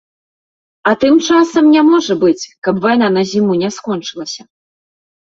А тым часам не можа быць, каб вайна на зіму не скончылася.